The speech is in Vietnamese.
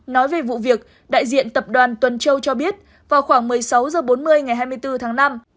nói về vụ việc đại diện tập đoàn tuần châu cho biết vào khoảng một mươi sáu h bốn mươi ngày hai mươi bốn tháng năm